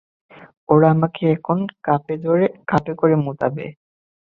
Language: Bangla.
ওরা আমাকে এখন কাপে করে মুতাবে।